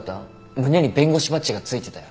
胸に弁護士バッジがついてたよ。